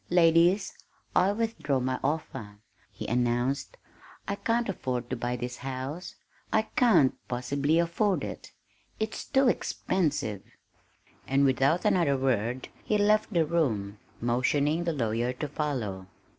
"Ladies, I withdraw my offer," he announced. "I can't afford to buy this house I can't possibly afford it it's too expensive." And without another word he left the room, motioning the lawyer to follow.